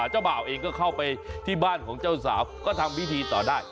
เจ้าบ่าวเองก็เข้าไปที่บ้านของเจ้าสาวก็ทำพิธีต่อได้